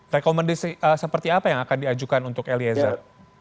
rekomendasi seperti apa yang akan diajukan untuk eliezer